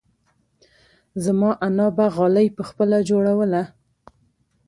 زما انا به غالۍ پخپله جوړوله.